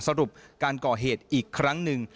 สรุปการก่อเหตุอีกครั้งหนึ่ง